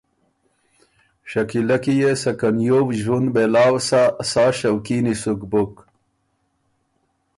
شکیلۀ کی يې سکه نیوو ݫوُند مېلاؤ سۀ، سا شوقینی سُک بُک۔